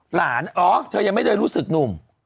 เหรออ๋อเธอยังไม่ได้รู้สึกหนุ่ม